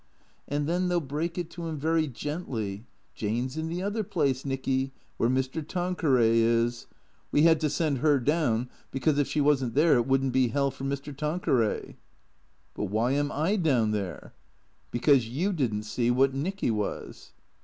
'"" And then they '11 break it to him very gently —' Jane 's in the other place, Nicky, where Mr. Tanqueray is. We had to send her down, because if she was n't there it would n't be hell for Mr. Tanqueray.' "" But why am I down there ?"" Because you did n't see what Nicky was."